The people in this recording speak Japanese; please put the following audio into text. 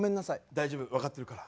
大丈夫分かってるから。